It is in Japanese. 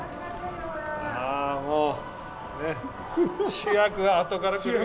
あもう主役はあとから来る。